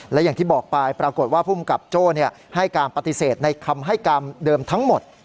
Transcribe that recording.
และอย่างที่บอกไปปรากฏว่าภูมิกับโจ้ให้การปฏิเสธในคำให้การเดิมทั้งหมด